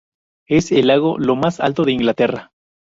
Es el lago lo más alto de Inglaterra.